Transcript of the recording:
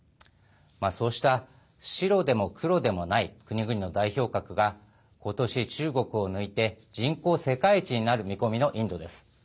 そうした白でも黒でもない国々の代表格が今年、中国を抜いて人口世界一になる見込みのインドです。